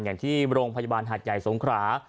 อย่างที่โรงพยาบาลหาดใหญ่สงขรา